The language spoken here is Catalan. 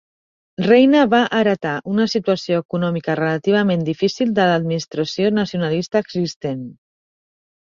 Reina va heretar una situació econòmica relativament difícil de l'administració nacionalista existent.